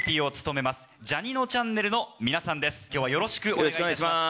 よろしくお願いします。